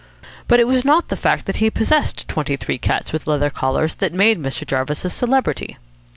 But it was not the fact that he possessed twenty three cats with leather collars that made Mr. Jarvis a celebrity.